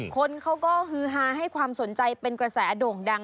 คนเขาก็ฮือฮาให้ความสนใจเป็นกระแสโด่งดัง